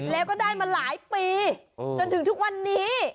แล้วก็ได้มาหลายปีจนถึงทุกวันนี้